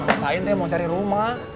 wah sain teh mau cari rumah